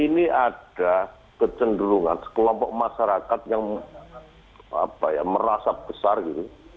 ini ada kecenderungan sekelompok masyarakat yang merasa besar gitu